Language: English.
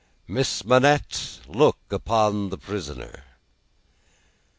"Miss Manette, look upon the prisoner."